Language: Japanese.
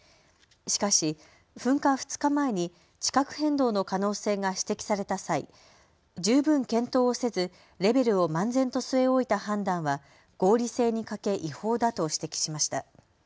しかし噴火２日前に地殻変動の可能性が指摘された際、十分検討をせずレベルを漫然と据え置いた判断は合理性に欠け違法だと指摘しました。